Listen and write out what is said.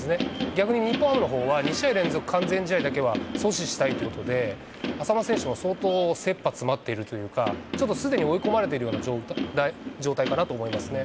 逆に日本ハムのほうは、２試合連続完全試合だけは阻止したいということで、淺間選手も相当切羽詰まっているというか、ちょっとすでに追い込まれてるような状態かなと思いますね。